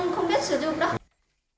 không biết sử dụng đâu